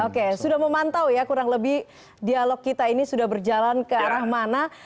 oke sudah memantau ya kurang lebih dialog kita ini sudah berjalan ke arah mana